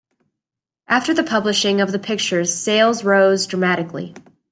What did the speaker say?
After the publishing of the pictures sales rose dramatically.